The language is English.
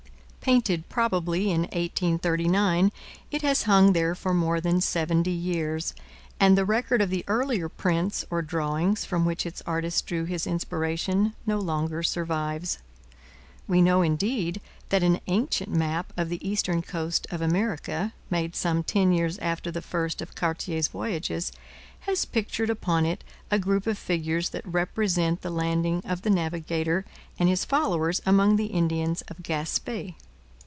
Painted probably in 1839, it has hung there for more than seventy years, and the record of the earlier prints or drawings from which its artist drew his inspiration no longer survives. We know, indeed, that an ancient map of the eastern coast of America, made some ten years after the first of Cartier's voyages, has pictured upon it a group of figures that represent the landing of the navigator and his followers among the Indians of Gaspe.